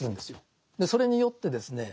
それによってですね